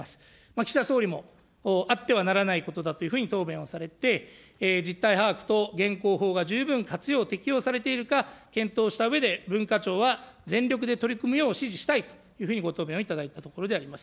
岸田総理も、あってはならないことだというふうに答弁をされて、実態把握と現行法が十分活用、適用されているか、検討したうえで、文化庁は全力で取り組むよう指示したいというふうにご答弁をいただいたところでございます。